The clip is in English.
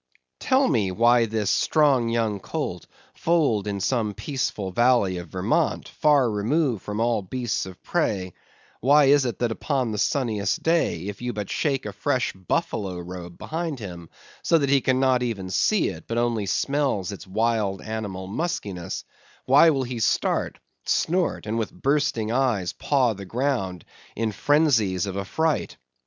Tell me, why this strong young colt, foaled in some peaceful valley of Vermont, far removed from all beasts of prey—why is it that upon the sunniest day, if you but shake a fresh buffalo robe behind him, so that he cannot even see it, but only smells its wild animal muskiness—why will he start, snort, and with bursting eyes paw the ground in phrensies of affright?